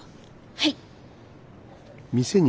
はい！